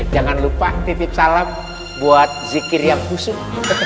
jangan lupa titip salam buat zikir yang khusus